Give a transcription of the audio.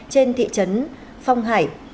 trên thị trấn phong hải